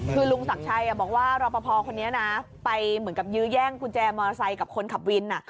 คือลุงศักดิ์ชัยบอกว่ารอปภคนนี้นะไปเหมือนกับยื้อแย่งกุญแจมอเตอร์ไซค์กับคนขับวิน